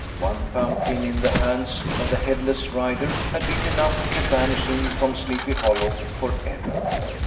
One pumpkin, in the hands of the headless rider, had been enough to banish him from Sleepy Hollow for ever.